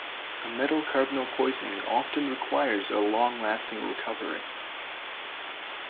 A metal carbonyl poisoning often requires a long-lasting recovery.